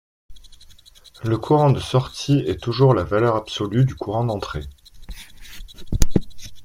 Le courant de sortie est toujours la valeur absolue du courant d'entrée.